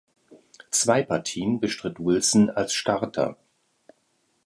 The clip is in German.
Zwei Partien bestritt Wilson als Starter.